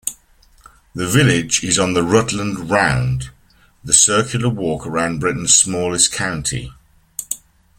The village is on the Rutland Round, the circular walk around Britain's smallest county.